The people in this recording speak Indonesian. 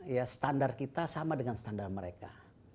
ya standar kita sama dengan standar mereka